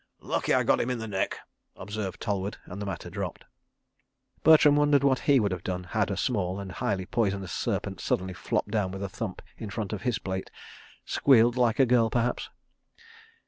"Lucky I got him in the neck," observed Tollward, and the matter dropped. Bertram wondered what he would have done had a small and highly poisonous serpent suddenly flopped down with a thump in front of his plate. Squealed like a girl perhaps?